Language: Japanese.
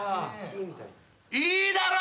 いいだろう！